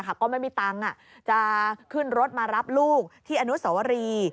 ก็ไม่มีตังค์จะขึ้นรถมารับลูกที่อนุสวรี